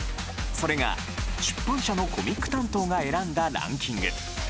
それが、出版社のコミック担当が選んだランキング。